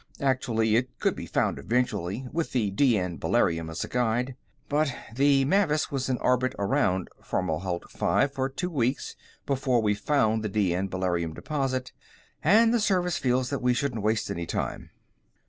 Actually, it could be found eventually with the D N beryllium as a guide. But the Mavis was in orbit around Fomalhaut V for two weeks before we found the D N beryllium deposit, and the Service feels that we shouldn't waste any time."